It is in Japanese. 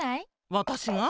わたしが？